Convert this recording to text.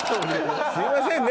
すいませんね